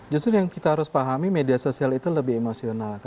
justru yang kita harus pahami media sosial itu lebih emosional